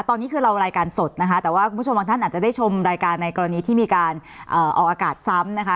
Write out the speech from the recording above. ตอนนี้คือเรารายการสดนะคะแต่ว่าคุณผู้ชมบางท่านอาจจะได้ชมรายการในกรณีที่มีการออกอากาศซ้ำนะคะ